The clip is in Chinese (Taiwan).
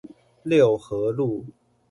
六和路